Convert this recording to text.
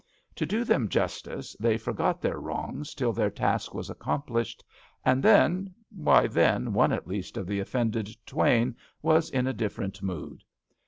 To do them justice, they forgot their wrongs till their task was accomplished, and then — why then one at least of the offended twain was in a different mood.